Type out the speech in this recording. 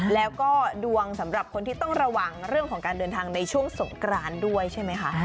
แล้วก็ดวงสำหรับคนที่ต้องระวังเรื่องของการเดินทางในช่วงสงกรานด้วยใช่ไหมคะ